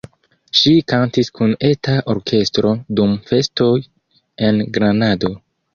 Ŝi kantis kun eta orkestro dum festoj en Granado.